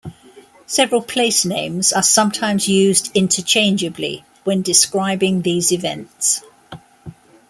Several place names are sometimes used interchangeably when describing these events.